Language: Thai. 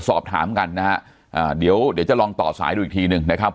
สอบถามกันนะฮะอ่าเดี๋ยวเดี๋ยวจะลองต่อสายดูอีกทีหนึ่งนะครับ